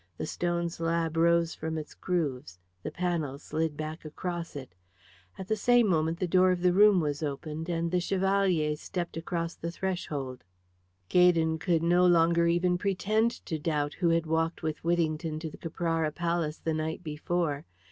The stone slab rose from its grooves; the panel slid back across it; at the same moment the door of the room was opened, and the Chevalier stepped across the threshold. Gaydon could no longer even pretend to doubt who had walked with Whittington to the Caprara Palace the night before.